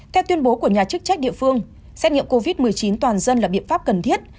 theo tuyên bố của nhà chức trách địa phương xét nghiệm covid một mươi chín toàn dân là biện pháp cần thiết